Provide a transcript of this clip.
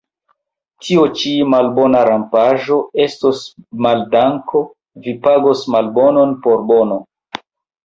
Tio ĉi, malbona rampaĵo, estos maldanko: vi pagos malbonon por bono.